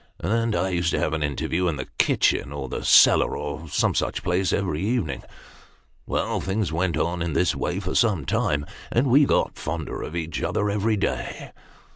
And I used to have an interview, in the kitchen, or the cellar, or some such place, every evening. Well, things went on in this way for some time ; and we got londer ot each other every day.